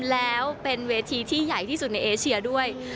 แล้วเป็นเวทีที่ใหญ่ที่สุดในเอเชียด้วย